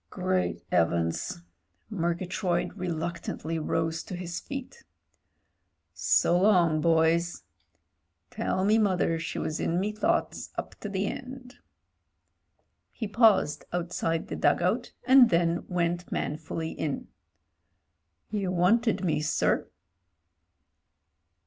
"Great 'Eavens!" Murgatroyd reluctantly rose to 226 MEN, WOMEN AND GUNS his feet. "So long, boys. Tell me mother she was in me thoughts up to the end." He paused outside the dug out and then went manfully in. "You wanted me, sir."